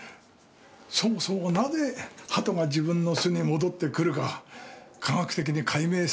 そもそもなぜ鳩が自分の巣に戻ってくるか科学的に解明されていないんです。